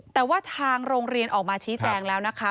แต่ว่าทางโรงเรียนออกมาชี้แจงแล้วนะคะ